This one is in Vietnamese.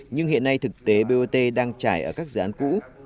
nhưng hiện nay thực tế bot đang trải ở các dự án cũ